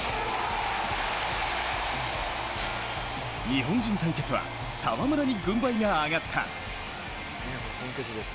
日本人対決は澤村に軍配が上がった。